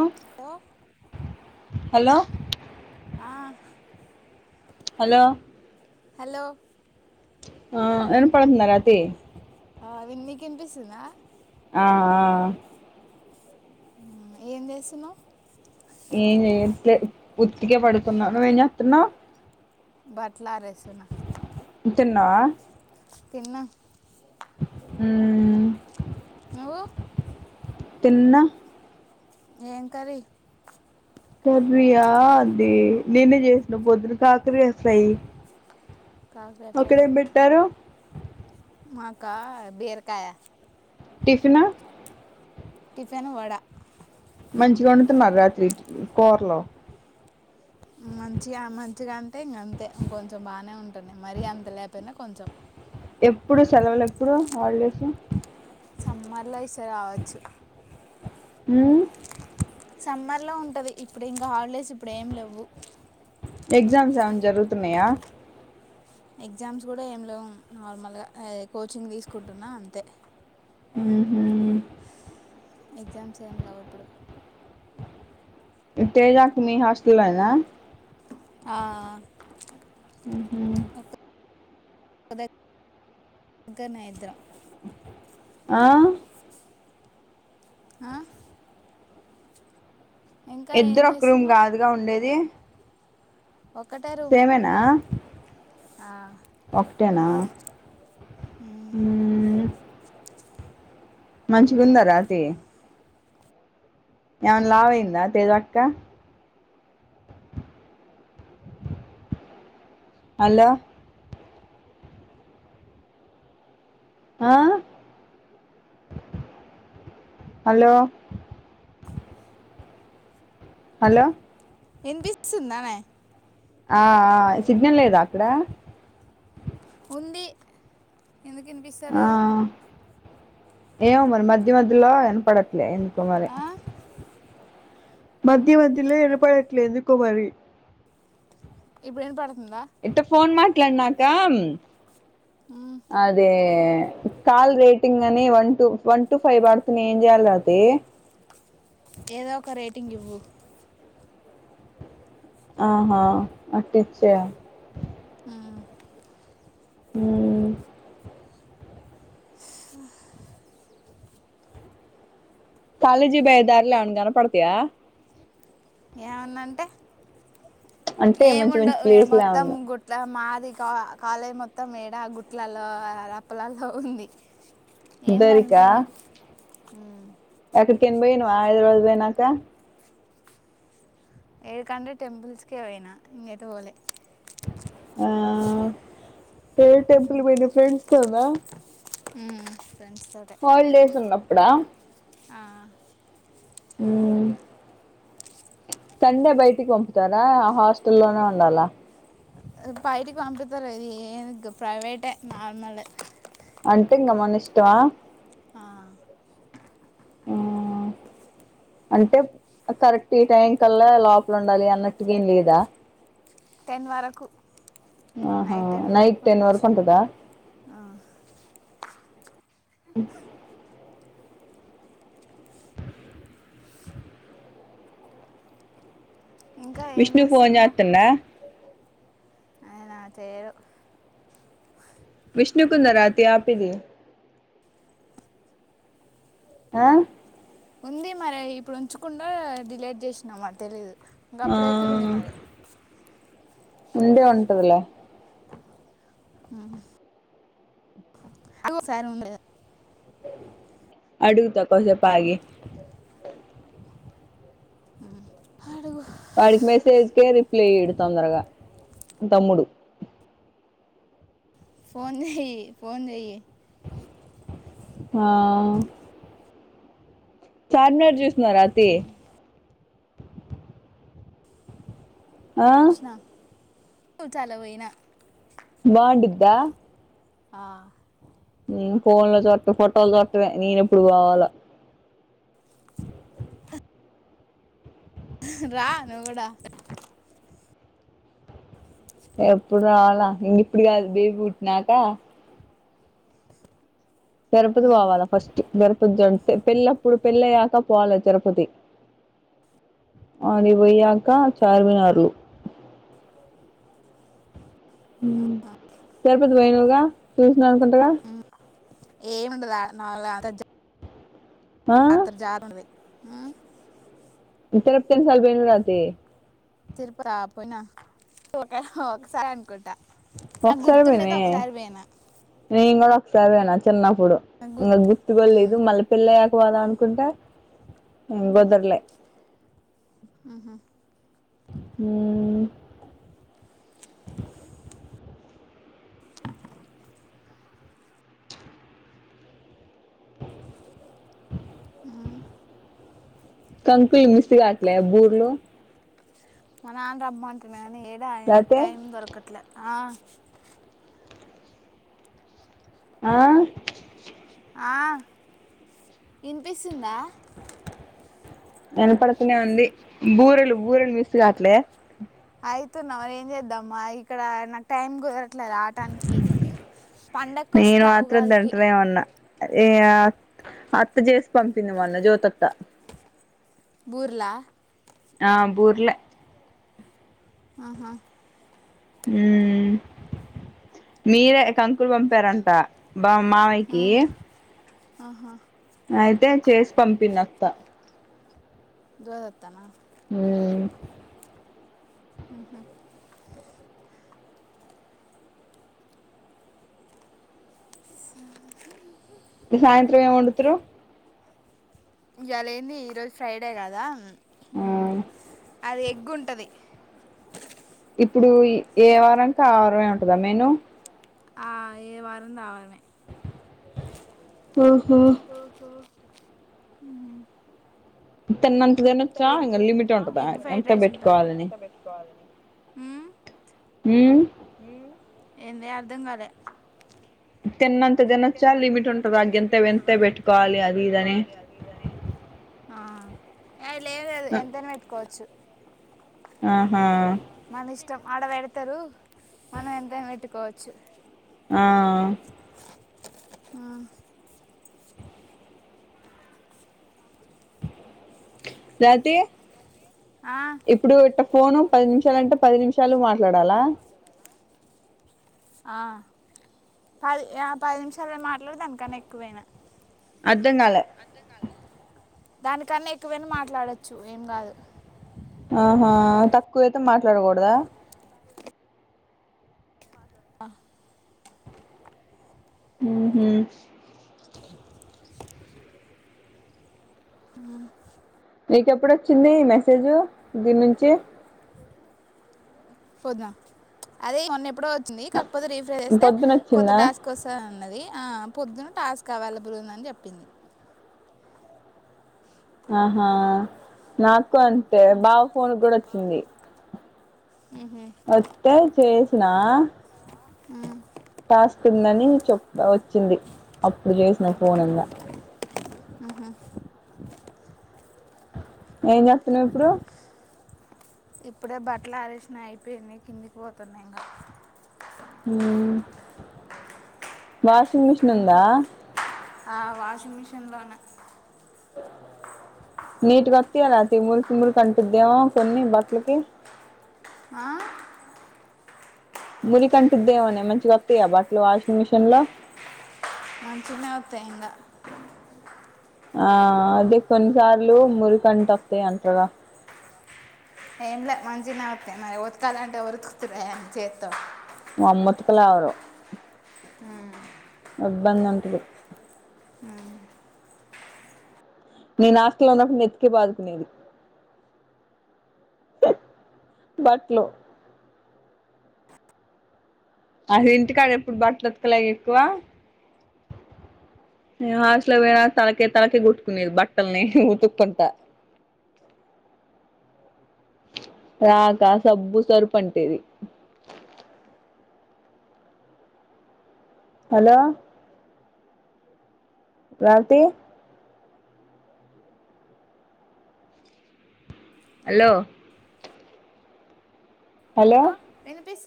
ఆ hello hello ఆ hello hello ఆ ఇన్పడుతుందా రతి ఆ విన్ నీకినిపిస్సుందా ఆ ఆ ఆ ఆ ఏం చేస్సున్నావ్ ఏం జేయట్లే ఉత్తిగే పడుకున్నా నువ్వు ఏం జేత్తున్నావ్ బట్లు ఆరేస్సున మ్ తిన్నావా తిన్న మ్మ్ నువు తిన్న ఏం కర్రీ కర్రీయా అది నేనే జేసిన పొద్దున కాకరకాయ్ ఫ్రై కాకర ఫ్రైయా అక్కడేం బెట్టారూ కా బీరకాయ టిఫిను టిఫెన్ వడ మంచిగ వండుతున్నారు రాత్రి కూరలు మంచిగా మంచిగన్ టే ఇంగంతే కొంచెం బానే వ్ టనే మరి అంత లేపేయినా కొంచెం ఎప్పుడు సెలవులు ఎప్పుడు హాలిడేసు సమ్మర్లో ఈ సారి రావచ్చు మ్మ్ సమ్మర్ లో ఉంటది ఇప్పుడు ఇంకా హాలిడేస్ ఇప్పుడు ఏం లెవ్వు ఎగ్జామ్స్ ఏమైన జరుగుతున్నయా ఎగ్జామ్స్ కూడా ఏమి లేవు నార్మల్ గా ఎ కోచింగ్ తీసుకుంటున్నా అంతే ఉహు ఎగ్జామ్స్ ఏం లేవు ఇప్పుడు తేజ అక్క మీ హాస్టలేన ఆ మ్మ్ హు ఇక్కనే ఇద్దరం ఆ ఆ ఇంకా ఏం ఇద్దరు ఒక్క రూమ్ చేస్తున్నావు గాదుగా ఉండేది ఒక్కటే రూము సేమేనా టేన మ్మ్ హ్ మంచిగుందా రాతి యేవన్ లావయిందా తేజక్క హలో ఆ హలో హలో వినిపిస్చుందానే ఆ ఆ సిగ్నల్ లేదా అక్కడ ఉంది ఎందుకు ఆ వినిపిస్తలేదు ఏమో మరి మధ్య మధ్యలో ఈన పడ ఎందుకో మరి ఆ? మధ్య మధ్యలో ఇనపడట్లేదు. కు వరి ఇప్పుడు ఇన పడు ఎంత ఫోన్ మాట్లాడిన్న తమ్ మ్మ్. అదే కాల్ రేటింగ్ అని one two one two five వడుతున్నాయి. ఏం చేయాలి రా అది ఏదో ఒక రేటింగ్ ఇవ్వు ఆహా అట్లా ఇచ్చ హ్ హ్ ఆ కాలేజీ బోయదారీల ఏమన్నా గానా పడతయా ఏమానాన్నంటే అంటే ఏ మంచి మంచి ముండవు ఈడ ప్లేస్లు మొత్తం ఏమన్నా గుట్లా మా ది కా కాలే మొత్తం ఈడ గుట్లలో రప్పలలో ఉంది. ఏం దొరికా గనిపియవ్ కేన్ పోయినవ్ హైదరాబాద్ పోయి నమ్క ఏడి కండి టెంపుల్స్కే పోయినా ఇగ ఎటు వోలే ఆ ఏం టెంపుల్ కు పోయినవ్ ఫ్రెండ్స్తో నా ఉ హాలిడేస్ ఉన్నప్ ప్పుడా ఆ ఉమ్ సండే బయటికి పంపుతారా ఆ హాస్టల్లోనే ఉండాలా బైటికి పంపుతరు ఇది ఏది గా ప్రైవేటె నార్మలే అంటే ఇంగ మన ఇష్టమా ఆ ఉమ్ అంటే కరెక్ట్ ఈ టైం కల్లా లోపల ఉండాలి. అన్నట్టుగా ఏం లేదా టెన్ వరకు ఆహా నైట్ టెన్ వరకు ఉంటందా ఇంకా ఏం విష్ణు ఫోన్ చేస్తున్నావు చెత్తుండా అ చేయడు విష్ణుకు ఉందారా అయితే యాప్ ఇది అ ఉంది మరి ఇప్పుడు ఉంచుకుండో డిలేట్ చేసినమో తెలీదు ఆ గప్పుడైతే ఉంది మరి ఉండే ఉంటదిలే ఉహుమ్ ఆహా ఓ సారి ఉం అడుగుతా కోంసేపు ఆగి అహుమ్ అడుగు వాడికి మెసేజ్ కె రిప్లై ఇయడు తొందరగా తమ్ముడు ఫోన్ చేయి ఫోన్ చేయి అ చార్మినార్ చూస్తున్నారా తీ ఆ చాల పోయినా బావుండిదా ఆ నేను ఫోన్ లో చూటం ఫోటోలు చూటమే నేను ఎప్పుడు పోవాలో రా నువ్వు కూడా ఎప్పుడు రావాలా ఇక ఇప్పుడు కాదు బేబి పుట్టినాక తిరుపతి కి పోవాలా ఫస్ట్ గర్ కొంచెం పెళ్ళప్పుడు పెళ్ళి అయ్యాక పోవాలి తిరుపతి ఆడి కి పోయాక చార్మినార్ ఉమ్ తిరుపతి పోయినవుగా గా అనుకుంటగా ఏముండదు ఆడ నావల్ల ఆ యాత్ర జారుంది ఆమ్ [unintelligible] తిరుపత పోయినా ఒక ఒకసారి అనుకుంటా నాకు ఒక్కసారి గుర్తుండేది పోయినావే ఒకసారి పోయినా నేను కూడా ఒక్కసారి పోయిన తిన్న ఇప్పుడు నాకు ఇంకా గుర్తు కుడా లేదు ఉమ్. మళ్ళీ పెళ్ళయ్యాక పోదాం అనుకుంటే హుమ్ కుదరలే ఉహుమ్ ఉమ్ ఊమ్ కంకులు మిస్ కాట్లే బూర్లు మా నాన్న రమ్మంటాడు గాని ఏడ అయిన కు లేతే టైం దొరకట్లే ఆ ఆ ఆ వినిపిస్తుందా వెనపడుతూనే ఉంది బూరలు బూరెలు మిస్ గాట్లే అయితున్నా మరే ఏం చేద్దాం మా ఇక్కడ నాకు టైమ్ కుదరట్లే ఎట్లే రాటానికి పండకు నేను వస్తా మాత్రం ఉగాదికి తింటనే ఉన్నా ఏ అత్త చేసి పంపింది మళ్ళ జ్యోతి అత్త బుర్లా ఆ బూర్లలే ఆహా ఉ మీరే కంకులు పంపారంట బా ఆ, మామయ్యకి ఆహా అయితే చేసి పంపింది అత్త దూద అత్తనా హు ఉహు సాయంత్రం ఏ వండుతురు ఇయ్యాలేంది ఈరోజు ఫ్రైడే కదా హు ఆ అది ఎగ్ గుంటది ఇప్పుడు ఏ వారానికిఆ వారం ఏ ఉంటుందా మేను ఆ ఏ వారం ది ఆ వారమే ఓహో ఊహ తిన్నంత తినొచ్చా ఇంగా లిమిట్ ఉంటుందా ఎంత పెట్టుకోవాలని హు ఊహు ఏంది అర్థం కాలే తిన్నంత తినొచ్చా లిమిట్ ఉంటది అ గింతే ఎంత పెట్టుకోవాలి అది ఇదని ఆ అవి లేదది ఎంతైనా ఎట్టుకోవచ్చు ఆహా మన ఇష్టం ఆడ పెడతరూ మనం ఎంతైన పెట్టుకోవచ్చు చ్చు ఆ ఆ జాతి ఆ ఇప్పుడు ఇట్ట ఫోను పది నిమిష మిషాలంటే పది నిమిషాలు మాట్లాడాలా ఆ పది ఆ పది నిమిషాలు మాట్లాడా అనికన్నా ఎక్కువైనా అర్ధం కాలే అర్థం కాలా దానికన్నా ఎక్కువైనా మాట్లాడొచ్చు ఏం కాదు ఆహా తక్కువైతే మాట్లాడకూడదా ఆ ఊహూ హ్మ్ నీకెప్పుడొచ్చింది మెసేజు దీని నుంచే పోద్నా అదీ మొన్న ఎప్పుడో వచ్చింది కాకపోతె రీఫ్రెష్ చేస్తే కొత్త పొద్దునొచ్చిందా టాస్క్ వస్తదన్నదీ ఆ పొద్దున టాస్క్ అవైలబుల్ ఉంది అని చెప్పింది ఆహా నా కంతే బావ ఫోన్ కూడొచ్చి చింది ఉహు వొత్తే చేస్ స్నా హ్మ టాస్క్ ఉందని చెప్ వచ్చింది అప్పుడు చేసిన ఫోన్ంద ఏం చేస్తున్నావు ఇప్పుడూ ఇప్పుడే బట్లు ఆరేసిన అయిపోయింది కిందికి పోతున్నా ఇంగ ఉమ్ వాషింగ్ మిషిన్ ఉందా ఆ వాషింగ్ మిషన్లోనే నీట్గా వత్తయ రాతి మురికి మురికి అంటుద్దేమో కొన్ని బట్టలకి ఆ మురి కంటిద్దేమోనే మంచిగా వస్తాయా బట్లు వాషింగ్ మిషన్ లో మంచినే వతాయి ఇంకా ఆ అదే కొన్నిసార్లు మురికంట వస్తాయి అంటగా ఏంలే మంచి న వవుతాయి మరి ఉతకాలంటే ఉరుకుతున్నాయిని చేత్తో అమ్మత్ కలావరు ఆ బ్బంద అంటది నీ నాస్లో ఉన్నప్పుడు నెత్తికే బాదుకునేది బట్లో అది ఇంటికాడ ఎప్పుడు బట్టలు ఉతకలే ఎక్కువ హస్లో పో తలకే తలకే కొట్టుకునేది బట్టలని ఉతుకు పంట రాక సబ్బు సరుపు అంటేది హలో ప్రార్తి హలో హలో వినిపిస్తుంది